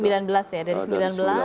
sembilan belas ya dari sembilan belas